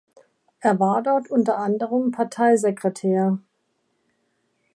Er war dort unter anderem Parteisekretär.